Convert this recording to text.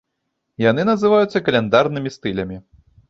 Яны называюцца каляндарнымі стылямі.